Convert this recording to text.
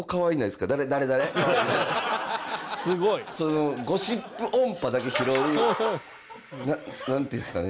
そのゴシップ音波だけ拾うなんていうんですかね？